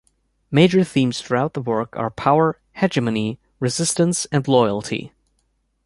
Major themes throughout the work are power, hegemony, resistance and loyalty.